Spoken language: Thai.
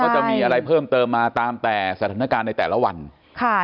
จะมีอะไรเพิ่มเติมมาตามแต่สถานการณ์ในแต่ละวันค่ะ